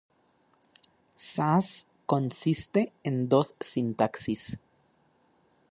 Sass consiste en dos sintaxis.